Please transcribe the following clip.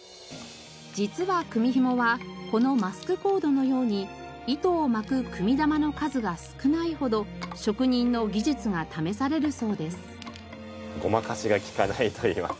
実はくみひもはこのマスクコードのように糸を巻く組み玉の数が少ないほど職人の技術が試されるそうです。